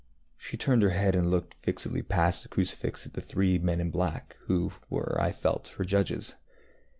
She turned her head and looked fixedly past the crucifix at the three men in black, who were, I felt, her judges.